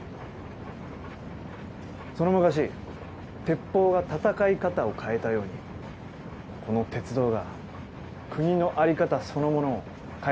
その昔鉄砲が戦い方を変えたようにこの鉄道が国の在り方そのものを変えていくでしょう。